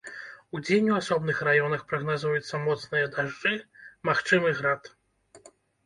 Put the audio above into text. Удзень у асобных раёнах прагназуюцца моцныя дажджы, магчымы град.